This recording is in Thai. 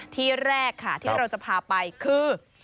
ที่แรกค่ะที่เราจะพาไปคือ